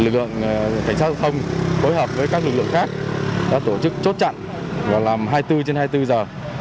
công an tỉnh đắk nông đã chủ trì phối hợp với các lực lượng khác đã tổ chức chốt chặn và làm hai mươi bốn trên hai mươi bốn giờ